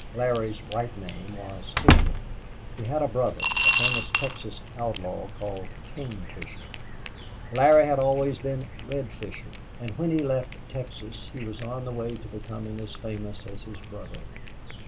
Larry's right name was Fisher. He had a brother a famous Texas outlaw called King Fisher. Larry had always been Red Fisher, and when he left Texas he was on the way to become as famous as his brother.